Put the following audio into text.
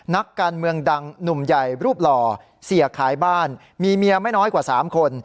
นักการเมืองดังหนุ่มใหญ่รูปหล่อเสียขายบ้านมีเมียไม่น้อยกว่า๓คน